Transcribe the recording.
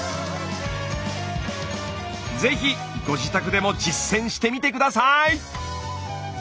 ぜひご自宅でも実践してみて下さい！